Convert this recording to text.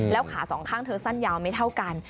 แล้วขาสองข้างเธอสั้นยาวไม่เท่ากัน